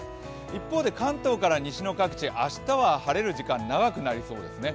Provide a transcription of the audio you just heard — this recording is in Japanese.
一方で関東から西の各地明日は晴れる時間長くなりそうですね。